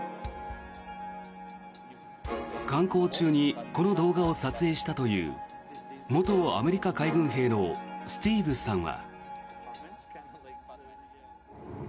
観光中にこの動画を撮影したという元アメリカ海軍兵のスティーブさんは。